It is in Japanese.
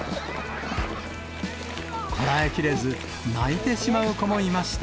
こらえきれず、泣いてしまう子もいました。